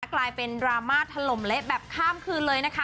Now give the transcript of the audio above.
กลายเป็นดราม่าถล่มเละแบบข้ามคืนเลยนะคะ